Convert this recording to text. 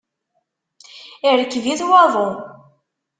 Irkeb-it waḍu.